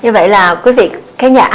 như vậy là quý vị khán giả